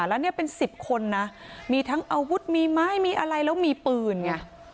แล้วเนี่ยเป็น๑๐คนนะมีทั้งอาวุธมีไม้มีอะไรแล้วมีปืนไง